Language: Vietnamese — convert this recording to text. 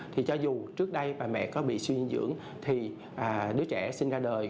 thì cho dù trước đây bà mẹ có bị suy dinh dưỡng thì đứa trẻ xin ra đời